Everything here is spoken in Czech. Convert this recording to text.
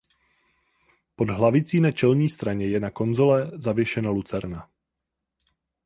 Pod hlavicí na čelní straně je na konzole zavěšena lucerna.